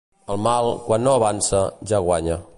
El mal, quan no avança, ja guanya.